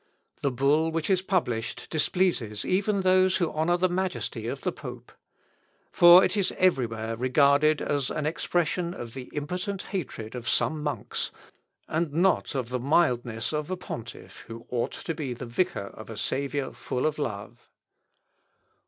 The bull which is published displeases even those who honour the majesty of the pope. For it is everywhere regarded as an expression of the impotent hatred of some monks, and not of the mildness of a pontiff, who ought to be the vicar of a Saviour full of love.